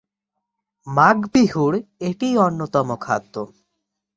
মাঘ বিহুর এটিই অন্যতম খাদ্য।